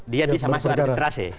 dia bisa masuk administrasi